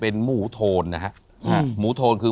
เป็นหมูโทนนะฮะหมูโทนคือ